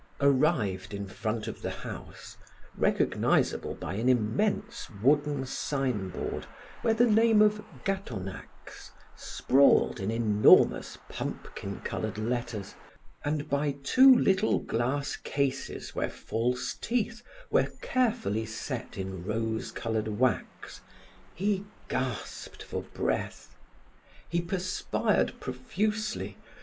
Arrived in front of the house, recognizable by an immense wooden signboard where the name of "Gatonax" sprawled in enormous pumpkin colored letters, and by two little glass cases where false teeth were carefully set in rose colored wax, he gasped for breath. He perspired profusely.